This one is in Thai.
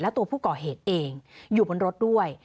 ตัวผู้ก่อเหตุเองอยู่บนรถด้วย